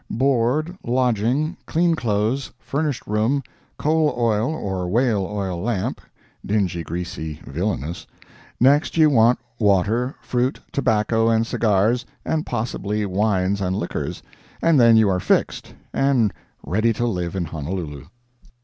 Board, lodging, clean clothes, furnished room, coal oil or whale oil lamp (dingy, greasy, villainous)—next you want water, fruit, tobacco and cigars, and possibly wines and liquors—and then you are "fixed," and ready to live in Honolulu.